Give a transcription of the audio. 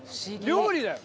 料理だよ。